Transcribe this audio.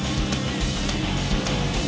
diam lu udah cukup